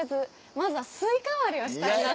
まずはスイカ割りをしたいな。